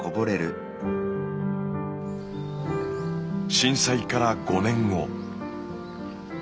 震災から５年後。